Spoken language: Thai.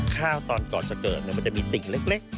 ตอนก่อนจะเกิดมันจะมีติ่งเล็ก